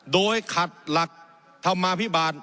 โดยขัดหลักธรรมาภิบาล